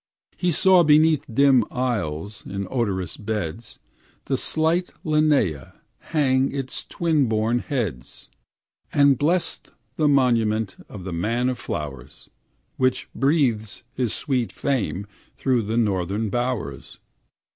He saw beneath dim aisles, in odorous beds, The slight Linnaea hang its twin born heads, And blessed the monument of the man of flowers, Which breathes his sweet fame through the northern bowers.